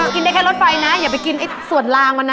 กินได้แค่รถไฟนะอย่าไปกินไอ้สวดลางก่อนนะ